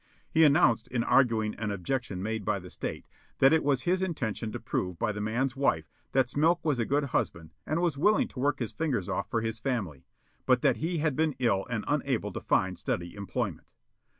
He announced, in arguing an objection made by the State, that it was his intention to prove by the man's wife that Smilk was a good husband and was willing to work his fingers off for his family, but that he had been ill and unable to find steady employment.